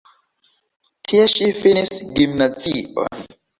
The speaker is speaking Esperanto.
Tie ŝi finis gimnazion.